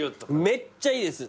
めっちゃいいです！